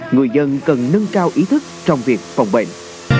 người dân cần nâng cao ý thức trong việc phòng bệnh